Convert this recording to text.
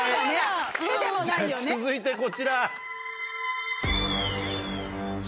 じゃ続いてこちら。